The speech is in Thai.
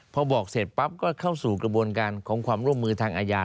พอบอกเสร็จปั๊บก็เข้าสู่กระบวนการของความร่วมมือทางอาญา